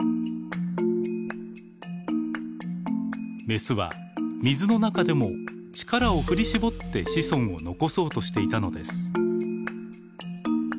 メスは水の中でも力を振り絞って子孫を残そうとしていたのです。